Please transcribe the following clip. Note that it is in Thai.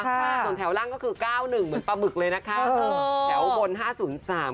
ส่วนแถวล่างก็คือเก้าหนึ่งเหมือนปลาบึกเลยนะคะเออแถวบนห้าศูนย์สาม